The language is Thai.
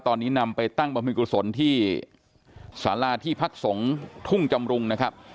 ตอนนี้นำไปตั้งบรรพิกุศลที่สาราที่พักสงฆ์ทุ่งจำรุงนะครับ